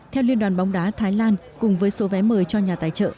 theo liên đoàn bóng đá thái lan cùng với số vé mời cho nhà tài trợ